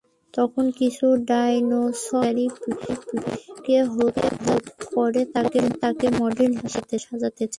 তখন কিছু ডাইনোসর শিকারী পিসুকে-কে হত্যা করে তাকে মডেল হিসেবে সাজাতে চায়।